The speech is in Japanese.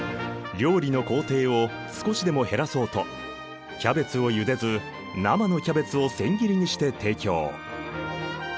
料理の工程を少しでも減らそうとキャベツをゆでず生のキャベツを千切りにして提供。